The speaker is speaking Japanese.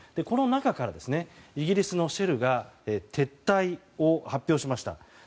この中から、イギリスのシェルが撤退を発表しました。